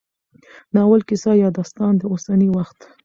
د ناول کيسه يا داستان د اوسني وخت